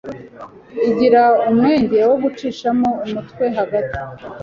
igira umwenge wo gucishamo umutwe hagati